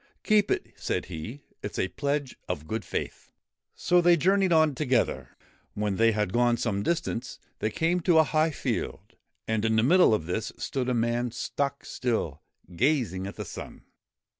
' Keep it,' said he ;' it 's a pledge of good faith.' So they journeyed on together. When they had gone some distance, they came to a high field, and in the middle of this stood a man stock still, gazing at the sun.